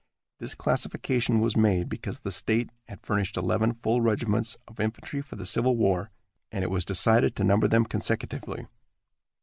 This classification was made because the state had furnished eleven full regiments of infantry for the Civil War, and it was decided to number them consecutively.